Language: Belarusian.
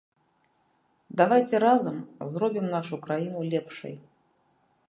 Давайце разам зробім нашу краіну лепшай!